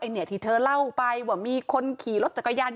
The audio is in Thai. เนี่ยที่เธอเล่าไปว่ามีคนขี่รถจักรยาน